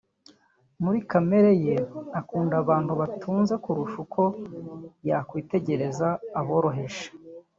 muri kamere ye akunda abantu batunze kurusha uko yakwiyegereza aboroheje